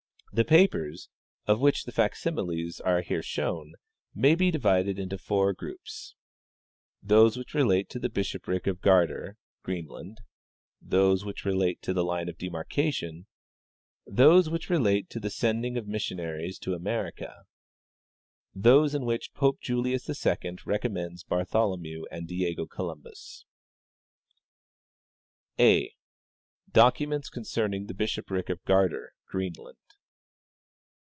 " The papers, of which the fac similes are here shown, may be divided into four groups, viz :" Those which relate to the bishopric of Gardar, Greenland ;" Those which relate to the line of demarcation ;" Those which relate to the sending of missionaries to America ; "Those in which Pope Julius II recommends Bartholomew and Diego Columbus. " J . Documents Concerning the Blihoprlc of Gardar, Greenlcuid.